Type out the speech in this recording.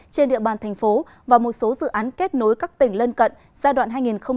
trên địa bàn thành phố và một số dự án kết nối các tỉnh lên cận giai đoạn hai nghìn hai mươi một hai nghìn hai mươi năm